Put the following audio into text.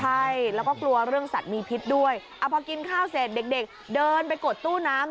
ใช่แล้วก็กลัวเรื่องสัตว์มีพิษด้วยพอกินข้าวเสร็จเด็กเดินไปกดตู้น้ำ